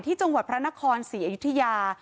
จังหวัดพระนครศรีอยุธยา